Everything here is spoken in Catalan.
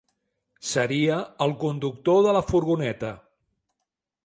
Seria el conductor de la furgoneta.